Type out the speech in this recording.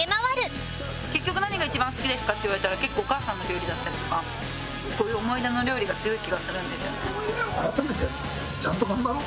「結局何が一番好きですか？」って言われたら結構お母さんの料理だったりとかこういう思い出の料理が強い気がするんですよね。